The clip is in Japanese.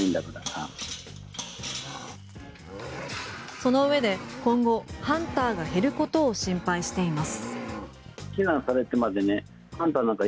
そのうえで、今後ハンターが減ることを心配しています。